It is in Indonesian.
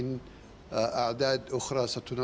yang akan diadakan